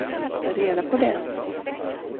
Ta reda på det!